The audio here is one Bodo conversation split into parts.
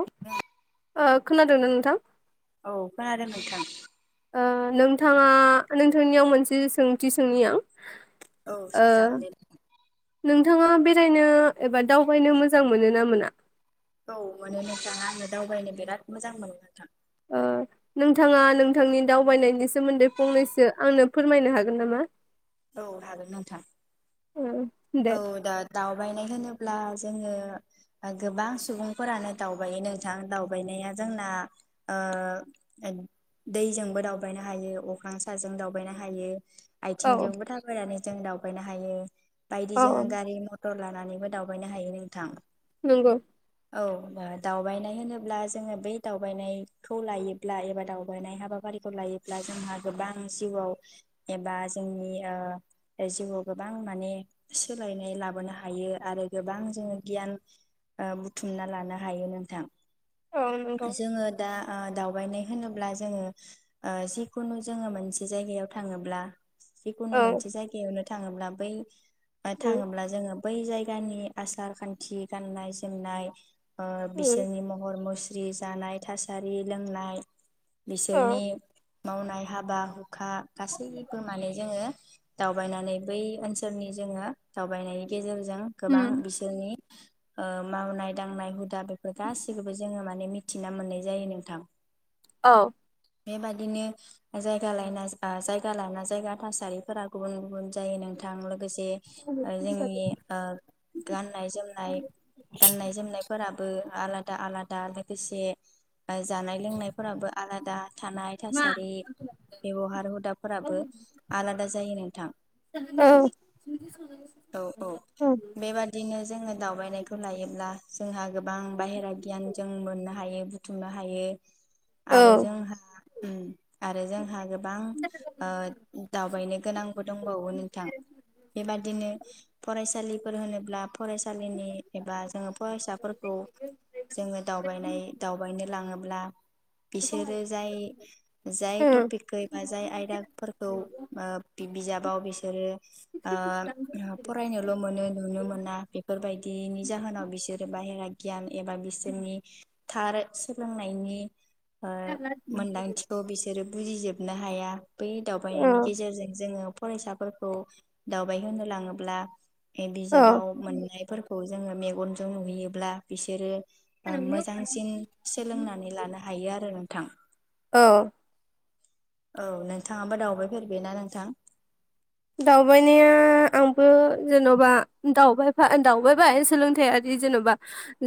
ओ खोनादों दोंना नोंथां औ खोनादों नोंथां ओ नोंथाङा नोंथांनियाव मोनसे सोंथि सोंनि‌ आं औ ओ सानजागोन दे नोंथाङा बेरायनो एबा दावबायनो मोजां मोनो ना मोना औ मोनो नोंथां आङो दावबायनो बिराद मोजां मोनो नोंथां ओ नोंथाङा नोंथांनि दावबायनायनि सोमोन्दै फंनैसो आंनो फोरमायनो हागोन नामा औ हागोन नोंथां ओ दे औ दा दावबायनाय होनो ब्ला जोङो गोबां सुबुंफोरानो दावबायायो नोंथां दावबायनाया जोंना ओ दैजोंबो दावबायनो हायो अख्रां साजों दावबायनो हायो औ जोंजोंबो थाबायानो जों दावबायनो हायो बायदिजों औ गारि मटर लानानैबो दावबायनो हायो नोंथां नंगौ औ दावबायनाय होनोब्ला जोङो बै दावबायनायखौ लायोब्ला एबा दावबायनाय हाबाफारिखौ लायोब्ला जोंहा गोबां जिउआव एबा जोंनि जिउआव गोबां माने सोलायनाय लाबोनो हायो आरो गोबां जोङो गियान बुथुमना लानो हायो नोंथां औ नंगौ जोङो दा ओ दावबायनाय होनोब्ला जोङो जिखुनु जोङो मोनसे जायगायाव थाङोब्ला बेखुननो औ मानसि जायागा थाङोब्ला बै बा उम थाङोब्ला जोङो बै जायगानि आसार खान्थि गाननाय जोमनाय आ उम बिसोरनि महर मुस्रि जि जानाय थासारि लोंनाय औ बिसोरनि मावनाय हाबा हु खा गासैबो जोङो दावबायनानै बै ओनसोलनि जोङो दावबायनायनि गेजेर जों गोबां उम बिसोरनि ओ मावनाय दांनाय हुद दा बेफोर गासिखोबो जोङो माने मि थिना मोननाय जायो नोंथां औ बेबादिनो जायगा लायना आ जायगा लाना जायगा थासारिफोरा गुबुन गुबुन जायो नोंथां लोगोसे ओ जोंनि ओ गाननाय जोमनाय गाननाय जोमनायफोरा बो आलादा आलादा लोगोसे बाय जानाय लोंनायफोराबो आलादा दा थानाय थासारि बेवहार हुदाफोराबो आलादा जायो नोंथां औ [inaudible] औ औ बेबादिनो जोङो दावबायनायखौ लायोब्ला जोंहा गोबां बाहेरा गियान जों मोननो हायो बुथुमनो हायो आरो औ जोंहा उम आरो जोंहा गोबां ओ दावबायनो गोनांबो दंबावो नोंथां बेबादिनो फरायसालिफोर होनोब्ला फरायसालिनि एबा जोङो फरायसाफोरखौ जोङो दावबायनाय दावबायनो लाङोब्ला बिसोरो जाय जाय उम टपिकखै एबा जाय आयदाफोरखौ ओ बिजाबाव बिसोरो ओ [unintelligible] फरायनोल' मोनो नुनो मोना बेफोरबायदिनि जाहोनाव बिसोरो बाहेरा गियान एबा बिसोरनि थार सोलोंनायनि ओ मोनदांथिखौ बिसोरो बुजिजोबनो हाया बै औ दावबायनायनि गेजेरजों जोङो फरायसाफोरखौ दावबाय होनो लाङोब्ला ए औ बिजाबाव मोननायफोरखौ जोङो मेगनजों नुहैयोब्ला बिसोरो ओ मोजांसिन सोलोंनानै लानो हायो आरो नों थां औ औ नोंथाङाबो दावबाय फेरबायना नोंथां दावबायनाया आंबो जेन'बा दावबायफा दावबायबाय सोलोंथायाइयारि जेन'बा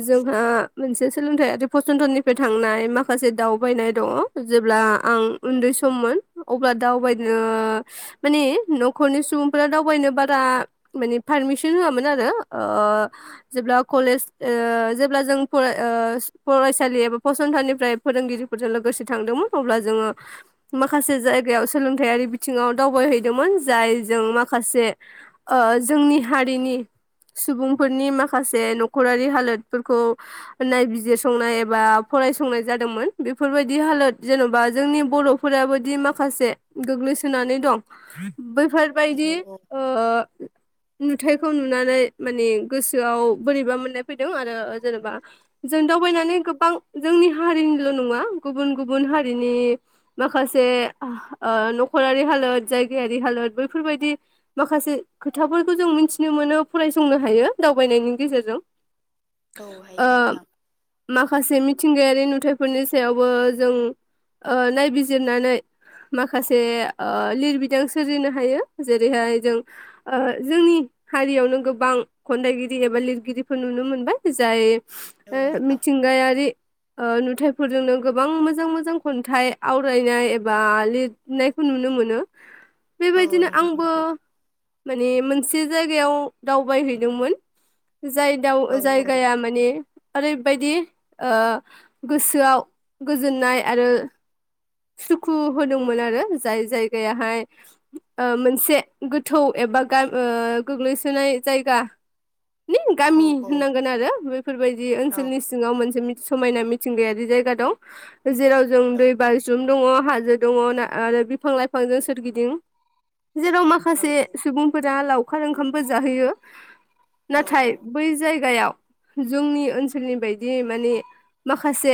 जोंहा मोनसे सोलोंथायाइारि फसंथननिफ्राय थांनाय माखासे दावबायनाय दङ जेब्ला आं उन्दै सममोन अब्ला दावबायनो माने न'खरनि सुबुंफोरा दावबायनो बारा माने पारमिसन होआमोन आरो ओ जेब्ला ओ कलेज ओ जेब्ला जों फरायसालि एबा फसंथाननिफ्राय फोरोंगिरिफोरजों लोगोसे थांदोंमोन अब्ला जोङो माखासे जायगायाव सोलोंथायाइारि बिथिङाव दावबायहैदोंमोन जाय जों माखासे जोंनि हारिनि सुबुंफोरनि माखासे नखरारि हालोदफोरखौ नायबिजिरसंनाय एबा फरायसंनाय जादोंमोन बेफोरबायदि हालोद जेन'बा जोंनि बर'फोराबायदि माखासे गोग्लैसोनानै दं औ बेैफोरबायदि ओ नुथायखौ नुनानै माने गोसोआव बोरैबा मोननाय फैदों आरो जेनेबा जों दावबायनानै गोबां जोंनि हारिनिल' नङा गुबुन गुबुन हारिनि माखासे न'खरारि हालोद जायगायारि दि हालोद बैफोरबायदि माखासे खोथाफोरखौ जों मिथिनो मोनो फरायसंनो हायो दावबायनायनि गेजेरजों औ हायो ओ नोंथां माखासे मिथिंगायारि नुथायाइफोरनि सायावबो जों ओ नायबिजिरनानै माखासे लिरबिदां सोरजिनो हायो जेरैहाय जों ओ जोंनि हारियावनो गोबां खन्थाइगिरि एबा लिरगिरिफोर नुनो मोनबाय जाय औ ओ नोंथां मिथिंगायारि ओ नुथाइफोरजोंनो गोबां मोजां मोजां खन्थाइ आवरायनाय एबा लिरनायखौ नुनो मोनो औ बेबायदिनो नोंथां आंबो नंगौ माने मोन मोनसे जायगायाव दावबायहैदोंमोन जाय दाव औ जायगाया मानि ओर बायदि गोसोआव गोजोननाय आरो सुखु होदोंमोन आरो जाय जायगायाहाय ओ मोनसे गोथौ एबा ओ गोग्लैसोनाय जायगा नि औ गामि औ होननांगोन आरो बे फोरबायदि औ ओनसोलनि सिङाव मोनसे समायना मिथिंगायारि जायगा दं जेराव जों दै बाज्रुम दङ हाजो दङ आरो बिफां लाइफांजों सोरगिदिं जेराव औ माखासे सुबुंफोरा लाव खार ओंखामबो जाहैयो नाथाय बै जायगायाव जोंनि ओनसोलनि बायदि माने माखासे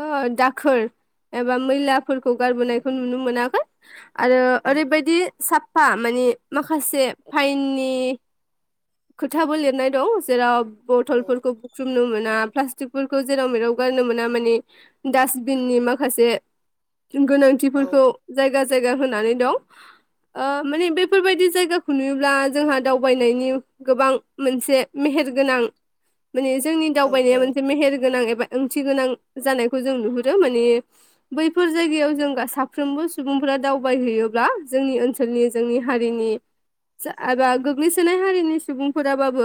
ओ दाखोर एबा मैलाफोरखौ गारबोनायखौ नुनो मोनाखै आरो औ ओरै बायदि साब फा माने माखासे फाइननि खोथाबो लिरनाय दं जेराव बथलफोरखौ बुख्रुबनो मो ना प्लास्टिकफोरखौ जेराव मेराव गारनो मोना माने दासबिननि माखासे गोनांथिफोरखौ जायगा जायगा होनानै दं ओ माने बेफोरबायदि जायगाखौ नुयोब्ला जोंहा दावबायनायनि गोबां मोनसे मेहेरगोनां माने जोंनि दावबायनाया मोनसे औ मेहेर गोनां एबा ओंथि गोनां जानायखौ जों नुहुरो माने बैफोर जायगायाव जों साफ्रोमबो सुबुंफोरा दावबायहैयोब्ला जोंनि ओनसोलनि जोंनि हारिनि एबा गोग्लैसोनाय हारिनि सुबुंफोराबाबो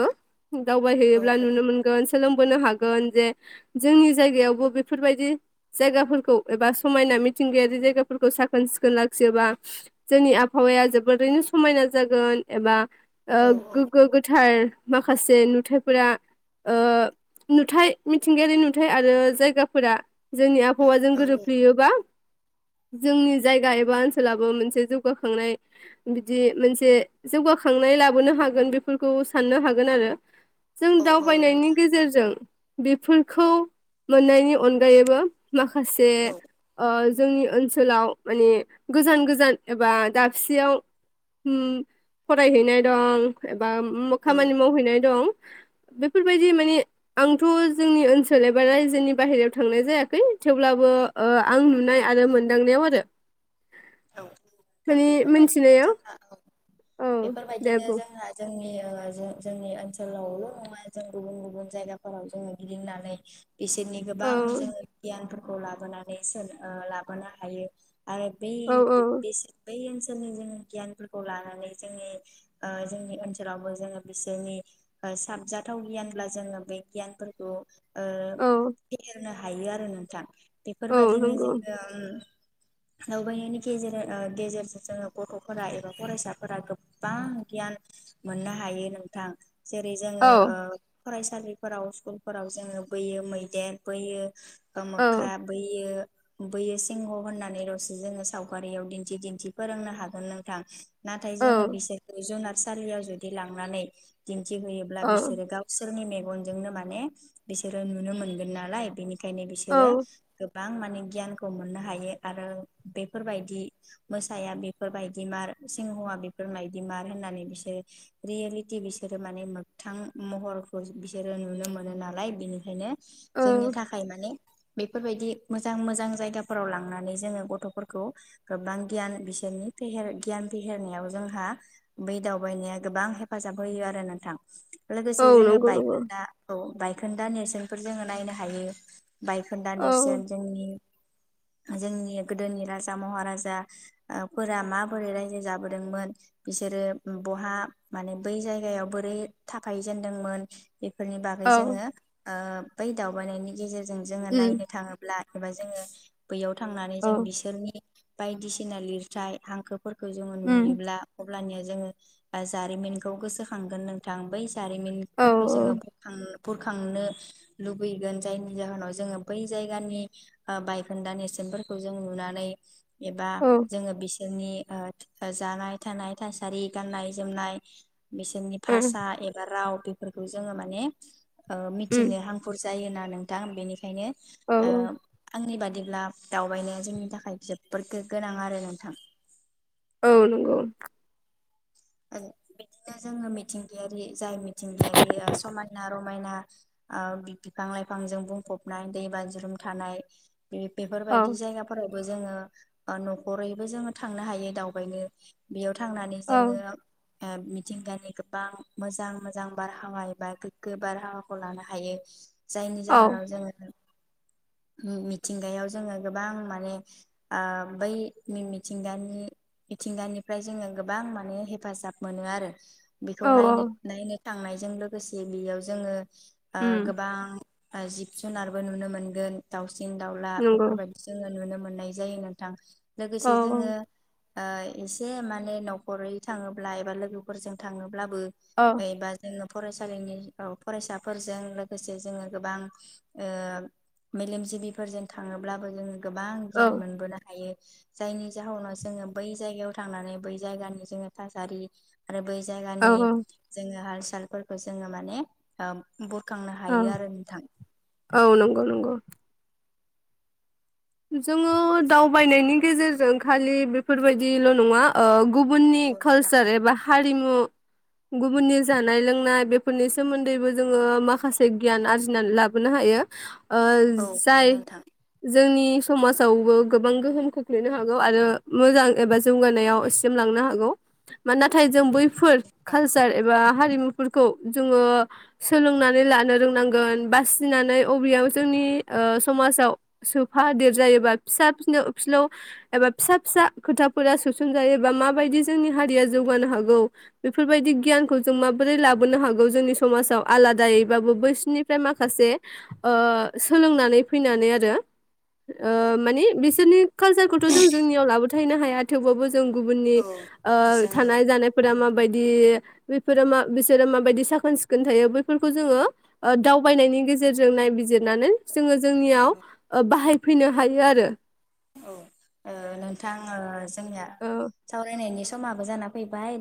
औ दावबायहैयोब्ला नुनो मोनगोन सोलोंबोनो हा गोन जे जोंनि जायगायावबो बेफोरबायदि जायगाफोरखौ एबा समायना मिथिंगायारि जायगाफोरखौ साखोन सिखोन लाखियोबा जोंनि आबहावाया जोबोरैनो समायना जागोन एबा ओ औ औ गो ग्गो गोथार माखासे नुथाइफोरा ओ नुथाय मिथिंगायारि नुथाय आरो जायगाफोरा जोंनि आब हवाजों गोरोबफ्लेयोबा जोंनि जायगा एबा ओनसोलाबो मोनसे जौगाखांनाय बिदि मोनसे जौगाखांनाय लाबोनो हागोन बे फोरखौ साननो हागोन आरो जों दावबायनायनि नोंथां गेजेरजों बेफोरखौ मोननायनि अनगायैबो माखासे औ ओ जोंनि ओनसोलाव माने गोजान गोजान एबा दाबसेयाव हम फरायहैनाय दं बा उम औ खामानि मावहैनाय दं बेफोरबायदि माने आंथ' जोंनि ओनसोल एबा रायजोनि बाहेरायाव थांनाय जायाखै थेवब्लाबो ओ आं नुनाय आरो मोन दांनायाव आरो औ नोंथां माने बेफोरबायदिनो मोनथिनायाव जोंहा औ औ दे बेफोरबायदिनो बुं जोंहा जोंनि ओ जों जोंनि ओनसोलावल' नङा जों गुबुन गुबुन जायगाफोराव जोङो गिदिंनानै बिसोरनि औ गोबां जोङो गियानफोर खौ लाबोनानै सोन ओ लाबोनो हायो आरो बेै औ बे औ बेसे बै ओनसोलनि जों गियानफोरखौ लानानै जोंनि ओ जोंनि ओनसोलावबो जोङो बिसोरनि ओ साबजाथाव गियानब्ला जोङो बे गियानफोरखौ ओ औ [unintelligible] होनो हायो आरो नोंथां औ बेफोरबादिनो नंगौ जोङो उम दावबायनायनि गेजेर ओ गेजेरजों जोङो गथ'फोरा एबा फरायसाफोरा गोबां गियान मोननो हायो नोंथां जेरै औ जोङो ओ फरायसालिफोराव स्कुलफोराव जोङो बैयो मैदेर बैयो ओ औ मोख्रा बैयो बैयो सिंह' होननानै रसो जोङो साव गारियाव दिन्थि दिन्थि फोरोंनो हागोन नोंथां नाथाय जोङो बिसोरखौ जुनार सालियाव जुदि लांनानै दिन्थिहैयोब्ला औ बिसोरो गावसोरनि मे गनजोंनो माने बिसोरो नुनो मोनगोन नालाय बेनि खायनो औ बिसोरो गोबां माने गियानखौ मोननो हायो आरो बे बेफोरबायदि मोसाया बेफोरबायदिमार सिंहआ बेफोरबायदिमार होननानै बिसोरो रियेलिटि बिसोरो माने मोगथां महरखौ बिसोरो नुनो मोनो नालाय बिनिखायनो जोंनि औ थाखाय माने बेफोरबायदि मोजां मोजां जायगाफोराव लांनानै जोङो गथ'फोरखौ खौ गोबां गियान बिसोरनि फेहेर गियान फेहेरनायाव जोंहा बै दावबायनाया गोबां हेफाजाब होयो आरो नोंथां औ लोगोसे जोङो नंगौ नंगौ बायखोनदाखौ ओ बाय खोन्दा नेरसोनफोर जोङो नायनो हायो बायखोन्दा औ नेरसोन जोंनि जोंनि गोदोनि राज महाराजाफोरा माबोरै रायजो जाबोदोंमोन बिसोरो बहा माने बै जायगायाव बोरै थाफायजेनदोंमोन बेफोरनि बागै औ जोङो ओ बै दावबायनायनि गेजेर जों जोङो उम नायनो थाङोब्ला एबा जोङो बैयाव थांनानै जों औ बिसोरनि बायदिसिना लिरथाय हांखो फोरफोरखौ जोङो उम नुयोब्ला अब्लानिया जोङो आ जारिमिनखौ गोसोखांगोन नोंथां बै औ जारिमिनफोरखौ जोङो बोखां बुरखांनो लुबैगोन जायनि जाहोनाव जोङो बै जायगानि ओ बायखोन्दा नेरसोनफोरखौ जों नुनानै एबा औ जोङो बिस जोंनि ओ जानाय थानाय थासारि गाननाय जोमनाय बिसोरनि उम भाषा एबा राव बेफोरखौ जोङो माने ओ उम मिथिनो हांखुर जायो ना नोंथां बेनिखायनो औ ओ आंनि बाद दिब्ला दावबायनाया जोंनि थाखाय जोब फोरखो गोनां आरो नोंथां। औ नोंगौ। बिदिनो जोङो मिथिंगायारि जाय मिथिंगायारि ओ समायना रमायना ओ बिफां लाइफांजों बुंफबनाय दै बाज्रुम थानाय बे औ बेफोरबायदि जायगाफोराव बो जोङो ओ न'खरैबो जो थांनो हायो दावबायनो बेयाव थांनानै औ जोङो ओ मिथिंगानि गोबां मोजां मोजां बारहावा एबा गोग्गो बारहावाखौ लानो हायो। जायनि औ जाहोनाव जोङो मिथिंगायाव जोङो गोबां माने ओ बै मिथिंगानि मिथिंगानिफ्राय जोङो गोबां माने हे फाजाब मोनो आरो। बिखौ औ औ नायनो नायनो थांनायजों लोगोसे बियाव जोङो ओ उम गोबां ओ जिब जुनारबो नुनो मोनगोन दाउस सिं दाउला नंगौ बेफोरबायदि जोङो नुनो मो मोननाय जायो नोंथां। औ लोगोसे जोङो ओ एसे माने न'खरै थाङोब्ला एबा लोगोफोरजों थाङो ब्लाबो औ एबा जोङो फरायसालिनि औ फरायसाफोरजों लोगोसे जोङो गोबां ओ मेलेमजिबिफोरजों थाङोब्लाबो जोङो गोबां गियान औ मोनबोनो हायो। जायनि जाहोनाव जोङो बै जायगायाव थांनानै बै जायगानि जोङो थासारि आरो बै जायगानि औ जोङो हारस सालफोरखौ जोङो माने बुरखांनो हायो औ आरो नोंथां औ नंगौ नंगौ जोङो दावबायनायनि गेजेरजों खालि बेफोरबायदिल' नङा ओ गुबुननि औ नोंथां कालसार एबा हारिमु गुबुननि जानाय लोंनाय बेफोरनि सोमोन्दैबो जोङो माखासे गियान आरजिनानै लाबोनो हायो आ औ हायो जाय नोंथां। जोंनि समाजावबो गोबां गोहोम खोख्लैनो हागौ आरो मोजां एबा जौगानायाव सिमलांनो हागौ मानोना नाथाय जों औ हायो बैफोर नोंथां कालचार एबा हारिमुफोरखौ जोङो सोलोंनानै लानो रोंनांगोन बासिनानै अबेयाव जोंनि समाजाव सोफा देर जायोबा फिसा फि फिलौव एबा फिसा फिसा खोथाफोरा सोसनजायोबा माबायदि जोंनि हारिया जौगानो हागौ बेफोरबायदि गियानखौ जों माबोरै लाबोनो हागौ जोंनि समाजाव आलादायैबाबो बैसोरनिफ्राय माखासे ओ सोलोंनानै फैनानै आरो ओ औ माने बिसोरनि कालसारखौथ' जों जोंनियाव लाबो थायनो हाया थेवबाबो जों गुबुननि औ ओ जोङो थानाय जानायफोरा माबायदि बेफोरो मा बिसोरो माबायदि साखोन सिखोन थायो बैफोरखौ जोङो ओ दावबायनायनि गेजेरजों नायबिजिरनानै जोङो जोंनियाव अ बाहाय फैनो हायो आरो औ ओ नोंथां ओ जोंनिया औ सावरायनायनि समाबो जानानै फैबाय नों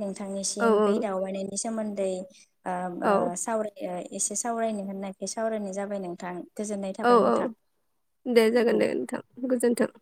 औ नोंथांनिसिम बे औ दावबायनि सोमोनदै ओ ओ औ सावराय एसे सावरायनो होननायखाय सावरायनाय जाबाय नोंथां गोजोननाय औ थाबाय औ नोंथां दे औ जागोन दे नोंथां गोजोन्थों